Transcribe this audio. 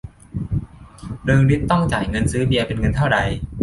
เริงฤทธิ์ต้องจ่ายเงินซื้อเบียร์เป็นเงินเท่าใด